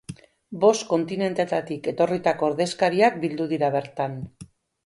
Bost kontinenteetatik etorritako ordezkariak bildu dira bertan.